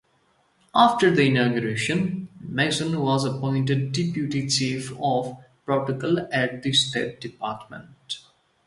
After the inauguration, Mason was appointed deputy chief of protocol at the State Department.